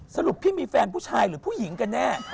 พี่มีแฟนผู้ชายหรือผู้หญิงกันแน่